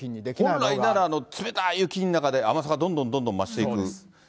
本来なら、冷たい雪の中で甘さがどんどんどんどん増していく。